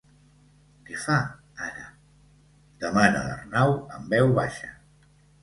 Què fa, ara? —demana l'Arnau en veu baixa—.